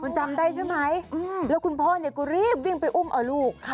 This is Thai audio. จำได้ใช่ไหมแล้วคุณพ่อเนี่ยก็รีบวิ่งไปอุ้มเอาลูก